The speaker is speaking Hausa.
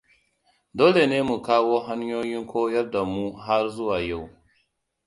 Dole ne mu kawo hanyoyin koyar da mu har zuwa yau.